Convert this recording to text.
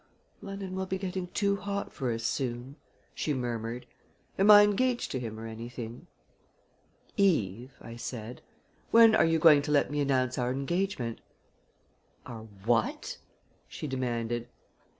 "London will be getting too hot for us soon!" she murmured. "Am I engaged to him or anything?" "Eve," I said, "when are you going to let me announce our engagement?" "Our what?" she demanded.